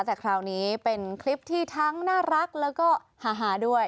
แต่คราวนี้เป็นคลิปที่ทั้งน่ารักแล้วก็หาด้วย